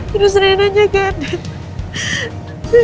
terus renanya nggak ada